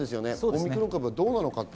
オミクロン株がどうなのか。